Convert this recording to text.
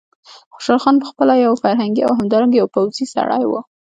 خوشحال خان په خپله یو فرهنګي او همدارنګه یو پوځي سړی و.